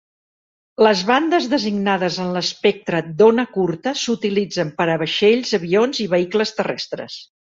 Les bandes designades en l'espectre d'ona curta s'utilitzen per a vaixells, avions i vehicles terrestres.